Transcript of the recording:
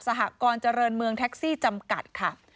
หกรณ์เจริญเมืองแท็กซี่จำกัดค่ะ